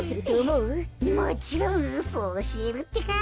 もちろんうそおしえるってか。